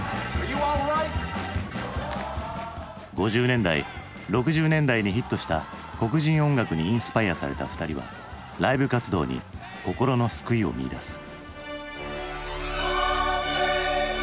５０年代６０年代にヒットした黒人音楽にインスパイアされた２人はライブ活動に心の救いを見いだす。